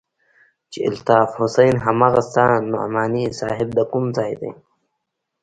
چې الطاف حسين هماغه ستا نعماني صاحب د کوم ځاى دى.